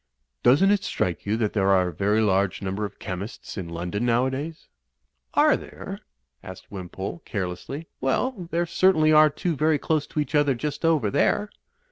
"Doesn't it strike you that there are a very large number of chemists in London nowadays?*' '^Are there?" asked Wimpole, carelessly. "Well, there certainly are two very close to each other just over there."